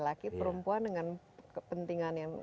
laki perempuan dengan kepentingan yang